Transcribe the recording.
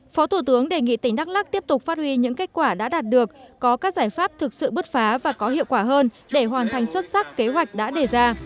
phó thủ tướng đề nghị tỉnh đắk lắc tiếp tục phát huy những kết quả đã đạt được có các giải pháp thực sự bước phá và có hiệu quả hơn để hoàn thành xuất sắc kế hoạch đã đề ra